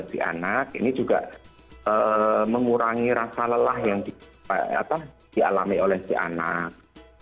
jadi anak ini juga mengurangi rasa lelah yang dialami oleh si anak